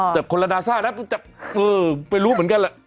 แต่คนละนาทรานะไปรู้เหมือนกันแหละ